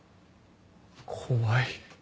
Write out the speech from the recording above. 怖い。